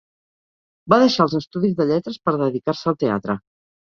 Va deixar els estudis de lletres per dedicar-se al teatre.